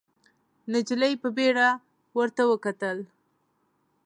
نجلۍ په بيړه ورته وکتل.